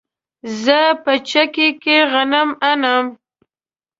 زه په چکۍ کې غنم اڼم